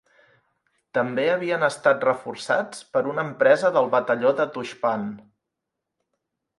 També havien estat reforçats per una empresa del batalló de Tuxpan.